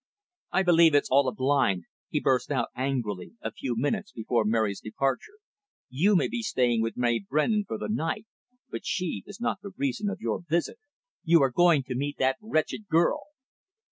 "I believe it's all a blind," he burst out angrily, a few minutes before Mary's departure. "You may be staying with May Brendon for the night, but she is not the reason of your visit. You are going to meet that wretched girl."